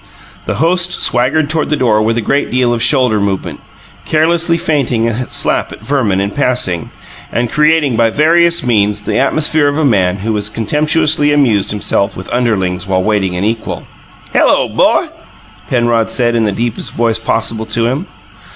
The host swaggered toward the door with a great deal of shoulder movement, carelessly feinting a slap at Verman in passing, and creating by various means the atmosphere of a man who has contemptuously amused himself with underlings while awaiting an equal. "Hello, 'bo!" Penrod said in the deepest voice possible to him.